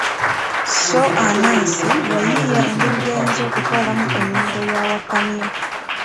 So Anansi yayiiya engeri gy'ayinza okutwalamu ennimiro ya wakamyu.